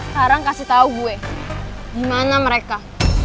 sekarang kasih tau gue dimana mereka